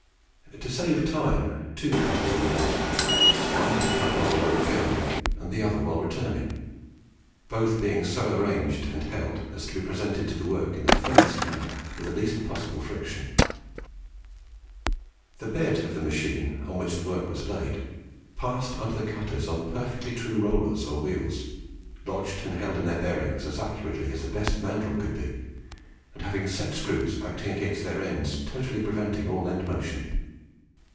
To save time two cutters were mounted, one to cut the work while going, the other while returning, both being so arranged and held as to be presented to the work in the firmest manner, and with the least possible friction. The bed of the machine, on which the work was laid, passed under the cutters on perfectly true rollers or wheels, lodged and held in their bearings as accurately as the best mandrill could be, and having set screws acting against their ends totally preventing all end motion.